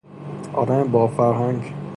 آدم با فرهنگ